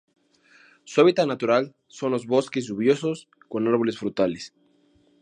Su hábitat natural son los bosques lluviosos con árboles frutales.